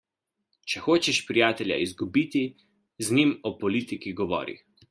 Če hočeš prijatelja izgubiti, z njim o politiki govori.